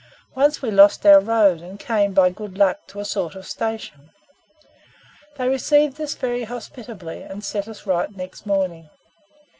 Once we lost our road, and came, by good luck, to a sort of station. They received us very hospitably, and set us right next morning.